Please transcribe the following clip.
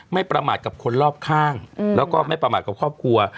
ประมาทกับคนรอบข้างแล้วก็ไม่ประมาทกับครอบครัว